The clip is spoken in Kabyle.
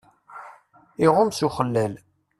Iɣum s uxellal.